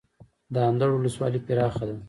د اندړ ولسوالۍ پراخه ده